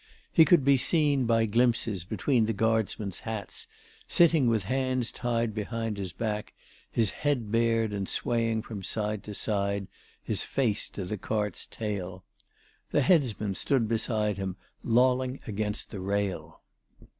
He could be seen by glimpses between the guardsmen's hats, sitting with hands tied behind his back, his head bared and swaying from side to side, his face to the cart's tail. The headsman stood beside him lolling against the rail.